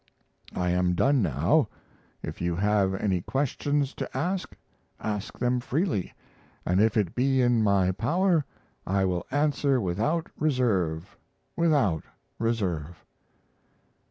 I am done now. If you have any questions to ask ask them freely and if it be in my power, I will answer without reserve without reserve.